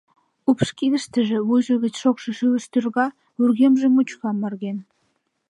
Упш кидыштыже, вуйжо гыч шокшо шӱлыш тӱрга, вургемже мучко амырген.